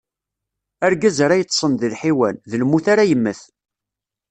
Argaz ara yeṭṭṣen d lḥiwan, d lmut ara yemmet.